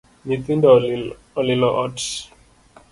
Nythindo olilo ot